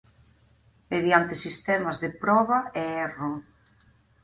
Mediante sistemas de "proba e erro".